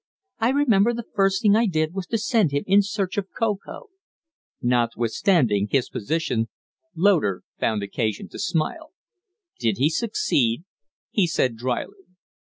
I remember the first thing I did was to send him in search of Ko Ko " Notwithstanding his position, Loder found occasion to smile. "Did he succeed?" he said, dryly.